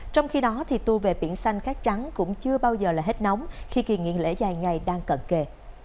trong khi đó tour về biển xanh cát trắng cũng chưa bao giờ là hết nóng khi kỳ nghỉ lễ dài ngày đang cận kề